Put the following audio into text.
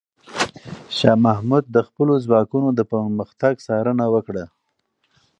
شاه محمود د خپلو ځواکونو د پرمختګ څارنه وکړه.